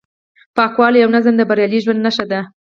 پاکوالی او نظم د بریالي ژوند نښه ده.